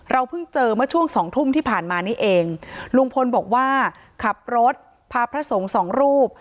เพิ่งเจอเมื่อช่วงสองทุ่มที่ผ่านมานี่เองลุงพลบอกว่าขับรถพาพระสงฆ์สองรูป